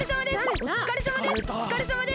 おつかれさまです！